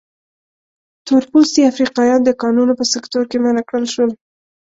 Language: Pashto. تور پوستي افریقایان د کانونو په سکتور کې منع کړل شول.